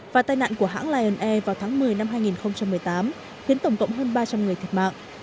và tai nạn của hãng lion air vào tháng một mươi năm hai nghìn một mươi tám khiến tổng cộng hơn ba trăm linh người thiệt mạng